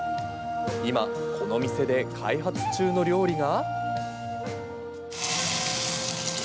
今、この店で開発中の料理が。